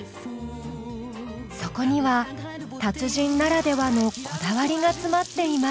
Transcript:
そこには達人ならではのこだわりが詰まっています。